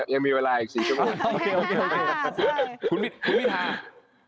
ยังมีเวลาอีก๔ชั่วโมง